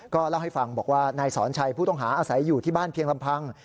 เล่าให้ฟังบอกว่านายสอนชัยผู้ต้องหาอาศัยอยู่ที่บ้านเพียงลำพัง